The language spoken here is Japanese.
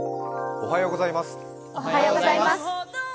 おはようございます。